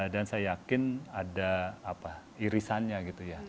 saya yakin ada irisannya gitu ya